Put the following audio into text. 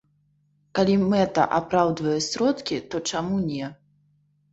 Калі мэта апраўдвае сродкі, то чаму не.